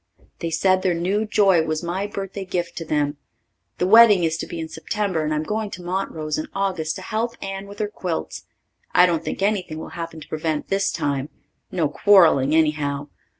They said their new joy was my birthday gift to them. The wedding is to be in September and I'm going to Montrose in August to help Anne with her quilts. I don't think anything will happen to prevent this time no quarrelling, anyhow.